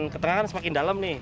ke tengah kan semakin dalam nih